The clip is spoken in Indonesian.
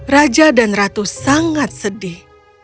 raja dan ratu sangat sedih